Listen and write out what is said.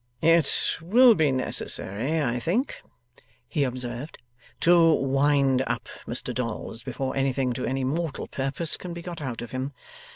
'It will be necessary, I think,' he observed, 'to wind up Mr Dolls, before anything to any mortal purpose can be got out of him.